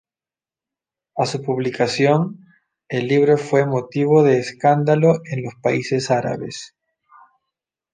A su publicación, el libro fue motivo de escándalo en los países árabes.